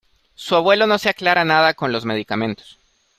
Su abuelo no se aclara nada con los medicamentos.